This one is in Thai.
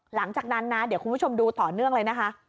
หลังจากนั้นนะเดี๋ยวคุณผู้ชมดูต่อเนื่องเลยนะคะ